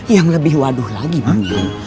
yang lebih waduh lagi mungkin